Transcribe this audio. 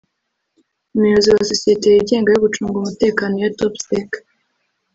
umuyobozi wa sosiyeti yigenga yo gucunga umutekano ya Topsec